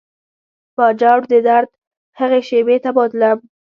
باجوړ د درد هغې شېبې ته بوتلم.